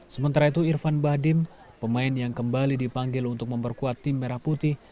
sementara itu irfan bahdim pemain yang kembali dipanggil untuk memperkuat tim merah putih